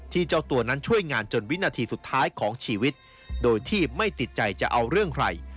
เจ้าตัวนั้นช่วยงานจนวินาทีสุดท้ายของชีวิตโดยที่ไม่ติดใจจะเอาเรื่องใคร